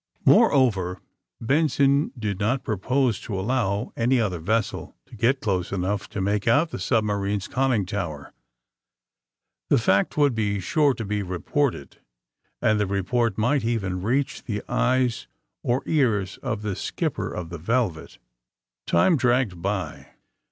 Moreover, Benson did not propose to allow AND THE SMUGGLERS 171 any otlier vessel to get close enough to make out the submarine's conning tower. The fact would be sure to be reported, and the report might even reach the eyes or ears of the skipper of the *' Velvet.'' Time dragged by.